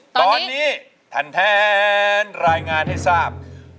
ตอนนี้แทนรายงานให้ทราบ